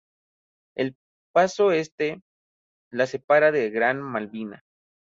El paso Este la separa de Gran Malvina.